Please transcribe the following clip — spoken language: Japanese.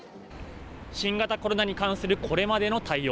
新型コロナに関するこれまでの対応。